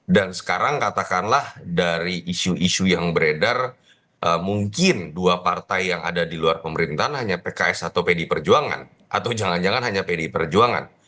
dan sekarang katakanlah dari isu isu yang beredar mungkin dua partai yang ada di luar pemerintahan hanya pks atau pdi perjuangan atau jangan jangan hanya pdi perjuangan